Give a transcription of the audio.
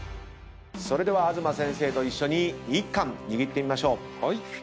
それでは東先生と一緒に１貫握ってみましょう。